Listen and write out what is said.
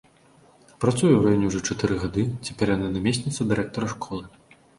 Працуе ў раёне ўжо чатыры гады, цяпер яна намесніца дырэктара школы!